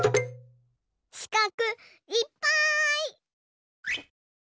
しかくいっぱい！